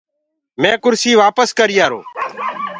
مينٚ ڪُرسي وآپس ڪريآرو۔